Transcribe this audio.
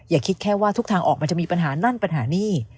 อย่าคิดแค่ว่าทุกทางออกมันจะมีปัญหานั่นปัญหานี่